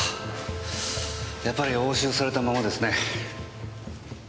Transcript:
やっぱり押収されたままですね。